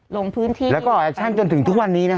ลงพื้นที่แล้วก็แอคชั่นจนถึงทุกวันนี้นะคะ